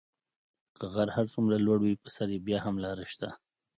که غر هر څومره لوړ وي په سر یې بیا هم لاره شته .